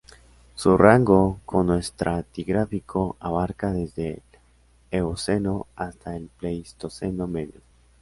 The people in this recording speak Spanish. Su rango cronoestratigráfico abarca desde el Eoceno hasta el Pleistoceno medio.